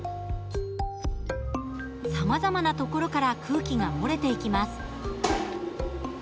さまざまな所から空気が漏れていきます。